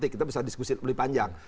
kita bisa diskusi lebih panjang